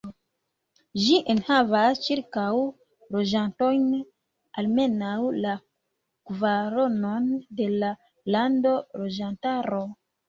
Ĝi enhavas ĉirkaŭ loĝantojn, almenaŭ la kvaronon de la landa loĝantaro.